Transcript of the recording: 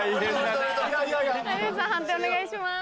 判定お願いします。